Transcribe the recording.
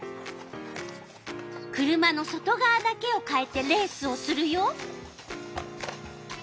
車の外がわだけをかえてレースをするよ。